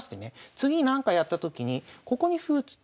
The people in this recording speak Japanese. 次なんかやったときにここに歩打つ。